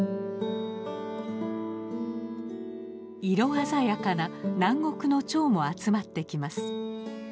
色鮮やかな南国のチョウも集まってきます。